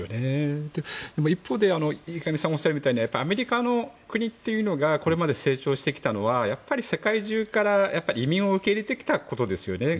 一方で、池上さんがおっしゃるみたいにアメリカの国っていうのがこれまで成長してきたのはやっぱり、世界中から移民を受け入れてきたことですよね。